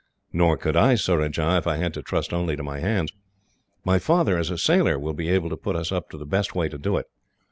"Nor could I, Surajah, if I had to trust only to my hands. My father, as a sailor, will be able to put us up to the best way to do it.